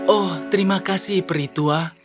oh terima kasih peritua